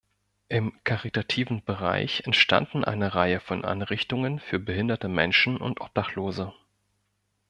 Im caritativen Bereich entstanden eine Reihe von Einrichtungen für behinderte Menschen und Obdachlose.